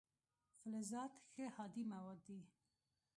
فلزات ښه هادي مواد دي.